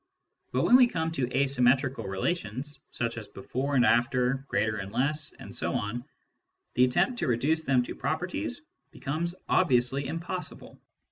But when we come to asymmetrical ' relations, such as before and after, greater and less, etc.^ the attempt to reduce them to properties becomes ob t viously impossible.